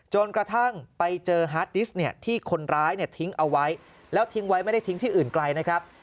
จนกระทั่งไปเจอฮาร์ดดิสต์ที่คนร้ายทิ้งเอาไว้แล้วทิ้งไว้ไม่ได้ทิ้งที่อื่นไกลนะครับ